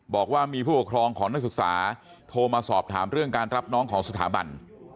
บอกว่ามีผู้ปกครองของนักศึกษาโทรมาสอบถามเรื่องการรับน้องของสถาบัน